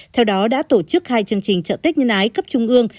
theo đó đã tổ chức hai chương trình chợ tết nhân ái cấp trung ương